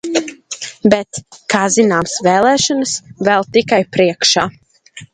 Bet, kā zināms, vēlēšanas vēl tikai priekšā.